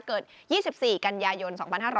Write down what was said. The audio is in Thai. เกิด๒๔ฯกัญญาโยน๒๕๒๘